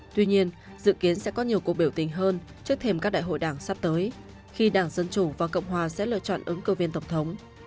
tuy nhiên dự kiến sẽ có nhiều cuộc biểu tình hơn trước thềm các đại hội đảng sắp tới khi đảng dân chủ và cộng hòa sẽ lựa chọn ứng cử viên tổng thống